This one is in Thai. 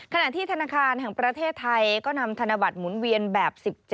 ขณะที่ธนาคารแห่งประเทศไทยก็นำธนบัตรหมุนเวียนแบบ๑๗